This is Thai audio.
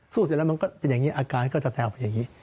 เสร็จแล้วมันก็เป็นอย่างนี้อาการก็จะแถวไปอย่างนี้